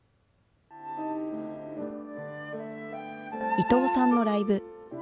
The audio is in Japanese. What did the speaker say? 伊藤さんのライブ。